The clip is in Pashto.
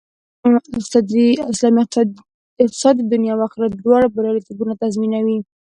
اسلامي اقتصاد د دنیا او آخرت دواړو بریالیتوب تضمینوي